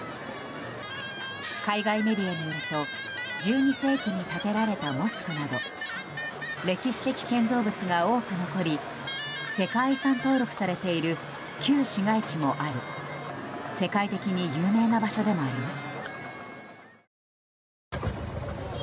海外メディアによると１２世紀に建てられたモスクなど歴史的建造物が多く残り世界遺産登録されている旧市街地もある世界的に有名な場所でもあります。